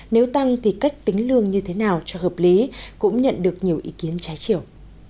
nếu tăng thì cách tính lương như thế nào cho hợp lý cũng nhận được nhiều ý kiến trái chiều